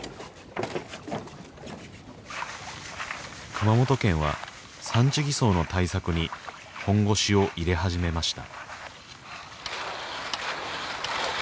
熊本県は産地偽装の対策に本腰を入れ始めました